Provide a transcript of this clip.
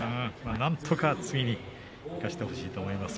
なんとか次に生かしてほしいと思います。